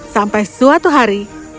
sampai suatu hari